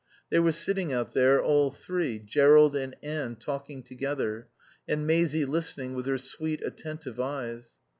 They were sitting out there, all three, Jerrold and Anne talking together, and Maisie listening with her sweet, attentive eyes.